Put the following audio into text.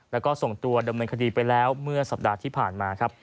แล้วก็ส่งตัวดำเนินคดีไปแล้วเมื่อสัปดาห์ที่ผ่านมาครับ